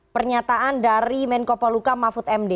pernyataan dari menko poluka mahfud md